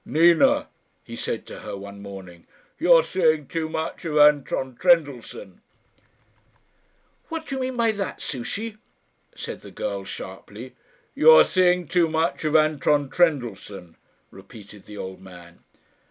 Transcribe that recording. "Nina," he said to her one morning, "you are seeing too much of Anton Trendellsohn." "What do you mean by that, Souchey?" said the girl, sharply. "You are seeing too much of Anton Trendellsohn," repeated the old man.